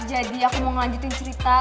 aku mau ngelanjutin cerita